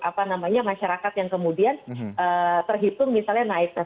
apa namanya masyarakat yang kemudian terhitung misalnya naik ke satu